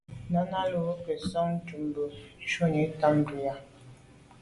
Náná lù gə́ sɔ̀ŋdə̀ ncúp bû shúnì tâm prǐyà.